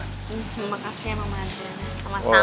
terima kasih ya mama adriana